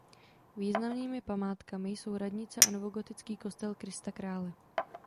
Významnými památkami jsou radnice a novogotický kostel Krista Krále.